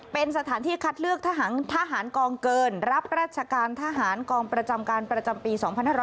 เป็นสถานที่คัดเลือกทหารกองเกินรับราชการทหารกองประจำการประจำปี๒๕๖๐